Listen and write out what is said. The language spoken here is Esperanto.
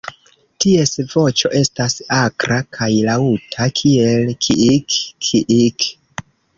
Ties voĉo estas akra kaj laŭta, kiel kiik-kiik!!